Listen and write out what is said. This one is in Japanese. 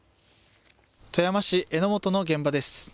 富山市江本の現場です。